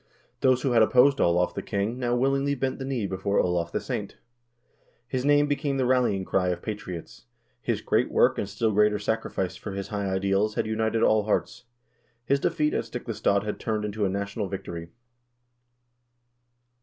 Those who had opposed Olav the king now willingly bent the knee before Olav the saint. His name became the rallying cry of patriots ; his great work and still greater sacrifice for his high ideals had united all hearts ; his defeat at Stiklestad had turned into a national victory.